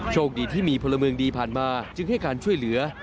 โชคดีที่มีพลเมืองดีผ่านมาจึงให้การช่วยเหลือ